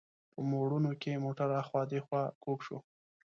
په موړونو کې موټر هاخوا دیخوا کوږ شو.